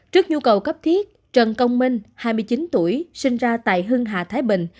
trước nhu cầu cấp thiết trần công minh hai mươi chín tuổi sinh ra tại hưng hà thái bình